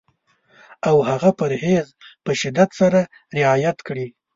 او هغه پرهېز په شدت سره رعایت کړي.